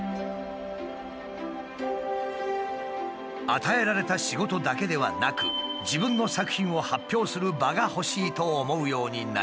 与えられた仕事だけではなく自分の作品を発表する場が欲しいと思うようになりました。